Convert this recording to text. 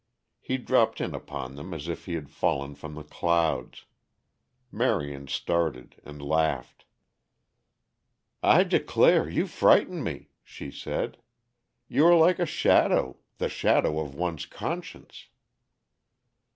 He dropped in upon them as if he had fallen from the clouds. Marion started and laughed. "I declare you frighten me," she said. "You are like a shadow the shadow of one's conscience."